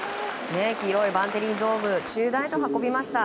広いバンテリンドームの中段へと運びました。